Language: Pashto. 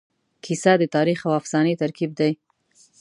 کیسه د تاریخ او افسانې ترکیب دی.